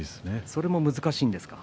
それも難しいんですか？